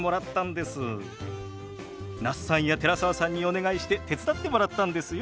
那須さんや寺澤さんにお願いして手伝ってもらったんですよ。